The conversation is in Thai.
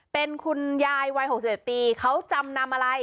เป็นคุณยายวัย๖๑ปีเขาจำนำอะไร